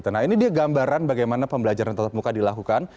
nah ini dia gambaran bagaimana pembelajaran tetap muka dilakukan